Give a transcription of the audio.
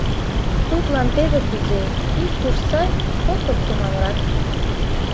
Тудлан теве кузе: ик уш сай, кокыт томамрак...»